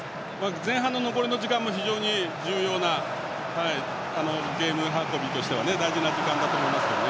前半の残り時間もゲーム運びとしては大事な時間だと思いますね。